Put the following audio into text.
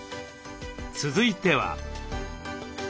続いては。